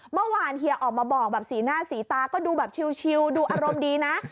เมื่อวานเฮียออกมาบอกแบบสีหน้าสีตาก็ดูแบบชิวดูอารมณ์ดีนะ